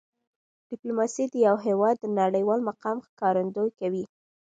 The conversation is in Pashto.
ډیپلوماسي د یو هېواد د نړیوال مقام ښکارندویي کوي.